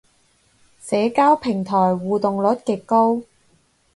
社交平台互動率極高